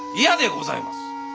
嫌でございます。